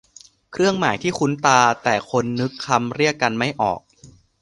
เครื่องหมายที่คุ้นตาแต่คนนึกคำเรียกกันไม่ออก